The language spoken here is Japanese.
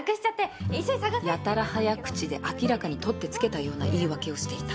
やたら早口で明らかに取って付けたような言い訳をしていた。